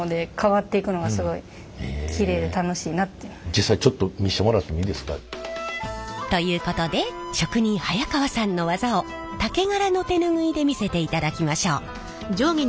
実際ちょっと見せてもらってもいいですか？ということで職人早川さんの技を竹柄の手ぬぐいで見せていただきましょう。